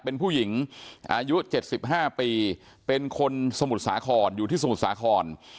เป็นผู้หญิงอายุ๗๕ปีเป็นคนสมุทรสาครอยู่ที่สมุทรสาคร